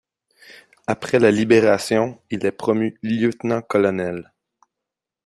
Après la Libération, il est promu lieutenant-colonel.